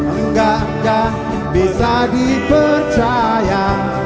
enggak enggak bisa dipercaya